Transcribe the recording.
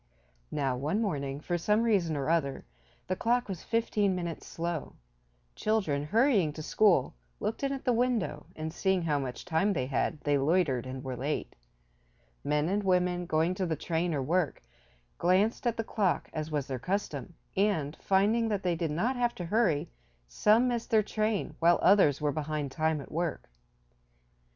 Now one morning, for some reason or other, the clock was fifteen minutes slow. Children, hurrying to school, looked in at the window, and, seeing how much time they had they loitered and were late. Men and women, going to the train or work, glanced at the clock, as was their custom, and, finding that they did not have to hurry some missed their train, while others were behind time at work.